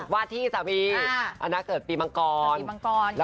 วาดที่สามีอาณาเกิดปีมังกร